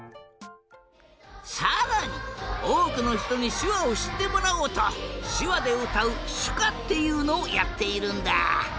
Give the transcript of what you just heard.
さらにおおくのひとにしゅわをしってもらおうとしゅわでうたうしゅかっていうのをやっているんだ。